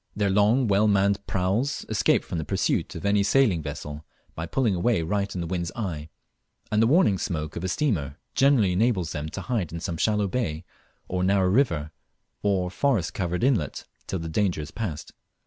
Their long well manned praus escape from the pursuit of any sailing vessel by pulling away right in the wind's eye, and the warning smoke of a steamer generally enables them to hide in some shallow bay, or narrow river, or forest covered inlet, till the danger is passed.